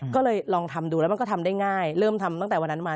ก็เลยลองทำดูแล้วมันก็ทำได้ง่ายเริ่มทำตั้งแต่วันนั้นมา